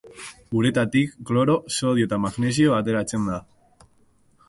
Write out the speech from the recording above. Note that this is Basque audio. Uretatik kloro, sodio eta magnesio ateratzen da.